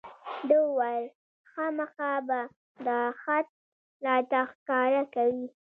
ده وویل خامخا به دا خط راته ښکاره کوې.